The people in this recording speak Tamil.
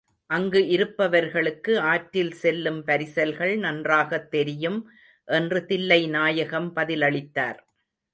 அங்கு இருப்பவர்களுக்கு ஆற்றில் செல்லும் பரிசல்கள் நன்றாகத் தெரியும் என்று தில்லைநாயகம் பதிலளித்தார்.